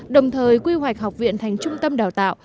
đồng thời quy hoạch học viện thành trung tâm đào tạo